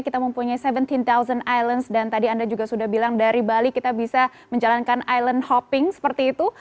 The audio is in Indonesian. kita mempunyai tujuh belas islands dan tadi anda juga sudah bilang dari bali kita bisa menjalankan island hopping seperti itu